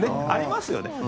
ありますよね。